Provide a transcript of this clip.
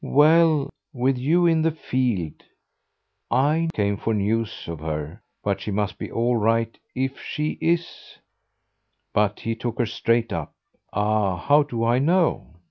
"Well, with you in the field ! I came for news of her, but she must be all right. If she IS " But he took her straight up. "Ah how do I know?"